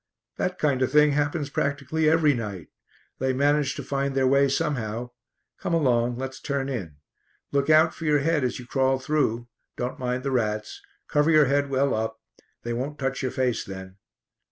"That kind of thing happens practically every night. They manage to find their way somehow. Come along; let's turn in. Look out for your head as you crawl through. Don't mind the rats. Cover your head well up. They won't touch your face then."